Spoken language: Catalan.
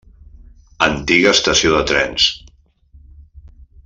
Antiga estació de trens.